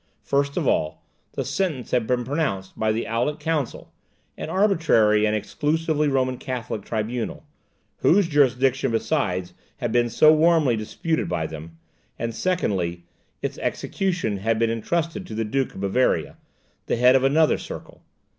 First of all, the sentence had been pronounced by the Aulic Council, an arbitrary and exclusively Roman Catholic tribunal, whose jurisdiction besides had been so warmly disputed by them; and secondly, its execution had been intrusted to the Duke of Bavaria, the head of another circle.